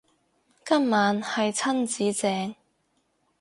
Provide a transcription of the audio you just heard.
今晚係親子丼